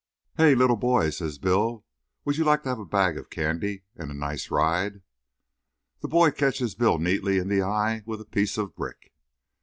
"Hey, little boy!" says Bill, "would you like to have a bag of candy and a nice ride?" The boy catches Bill neatly in the eye with a piece of brick.